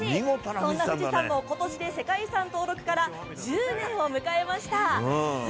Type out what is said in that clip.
そんな富士山もことしで世界遺産登録から１０年を迎えました。